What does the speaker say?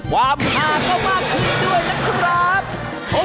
ความห่างเข้ามากขึ้นด้วยนะครับ